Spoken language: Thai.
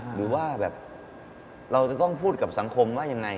หรือว่าแบบเราจะต้องพูดกับสังคมว่ายังไง